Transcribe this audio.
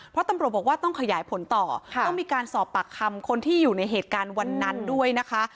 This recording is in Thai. เพราะตำรวจบอกว่าต้องขยายผลต่อต้องมีการสอบปากคำคนที่อยู่ในเหตุการณ์วันนั้นด้วยนะคะ